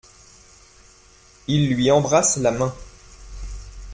Il lui embrasse la main.